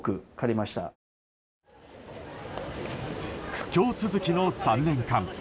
苦境続きの３年間。